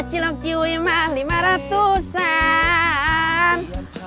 cilok cuy mah lima ratusan